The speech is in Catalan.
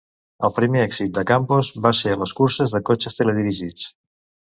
El primer èxit de Campos va ser a les curses de cotxes teledirigits.